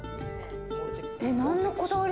何のこだわり？